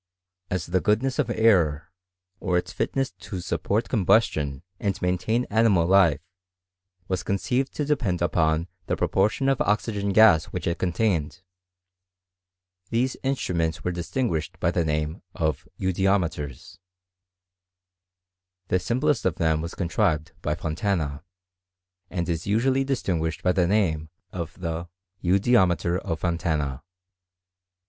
As the goodness of air, or ils fitness to support combustion, and maintain animal life, was conceived to depend upon the proportion of oxygen gas which it contained, these instruments were distiDguished by the name of eudiometers ; the sim plest of them was contrived by Fontana, and is usually distinguished by the name oi the eudiometer of Fo»~ laiM.